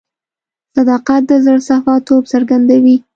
صداقت د زړه صفا توب څرګندوي.